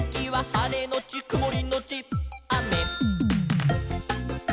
「はれのちくもりのちあめ」